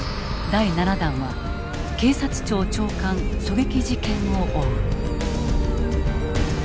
第７弾は警察庁長官狙撃事件を追う。